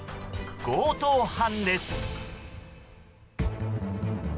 強盗犯です。